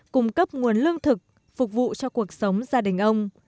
cung cấp nguồn lương thực phục vụ cho cuộc sống gia đình ông